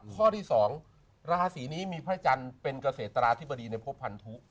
ข้อที่๒ราศีนี้มีพระจันทร์เป็นเกษตราธิบดีในพบพันธุ